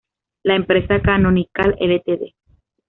La empresa Canonical Ltd.